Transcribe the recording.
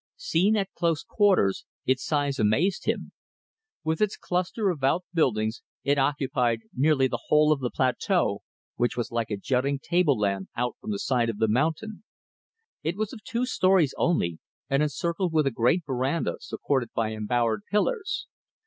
Seen at close quarters its size amazed him. With its cluster of outbuildings, it occupied nearly the whole of the plateau, which was like a jutting tableland out from the side of the mountain. It was of two stories only, and encircled with a great veranda supported by embowered pillars.